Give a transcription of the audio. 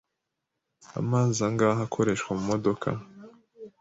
Amazi angahe akoreshwa mumodoka?